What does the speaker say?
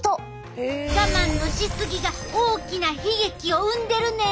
我慢のし過ぎが大きな悲劇を生んでるねん！